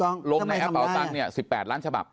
ลงในแอปเป่าตังเนี่ย๑๘ล้านฉบับ